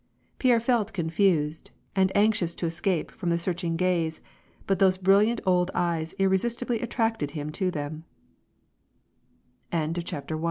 Pierre felt confused, and anxious to escape from that search ing gaze, but those brilliant old eyes irresistibly attracted him to